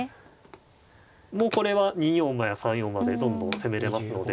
もうこれは２四馬や３四馬でどんどん攻めれますので。